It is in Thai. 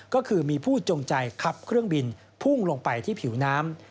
ก็คือมีผู้จงใจขับเครื่องบินพุ่งลงไปที่ผิวน้ำ